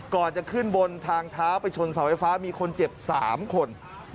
ก่อนจะขึ้นบนทางเท้าไปชนเสาไฟฟ้ามีคนเจ็บ๓คน